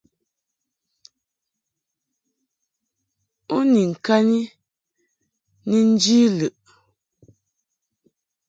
U ni ŋkani ni nji lɨʼ.